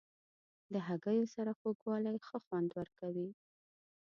د هګیو سره خوږوالی ښه خوند ورکوي.